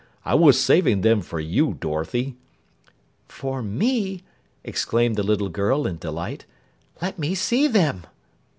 I was saving them for you, Dorothy." "For me!" exclaimed the little girl in delight. "Let me see them!"